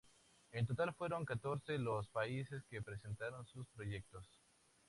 En total fueron catorce los países que presentaron sus proyectos.